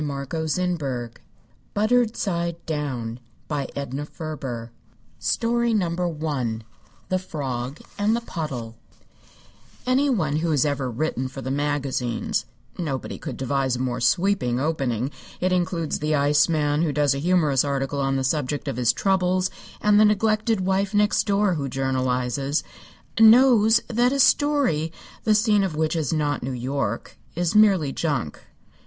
THE HOMELY HEROINE XI. SUN DRIED XII. WHERE THE CAR TURNS AT 18TH BUTTERED SIDE DOWN I THE FROG AND THE PUDDLE Any one who has ever written for the magazines (nobody could devise a more sweeping opening; it includes the iceman who does a humorous article on the subject of his troubles, and the neglected wife next door, who journalizes) knows that a story the scene of which is not New York is merely junk.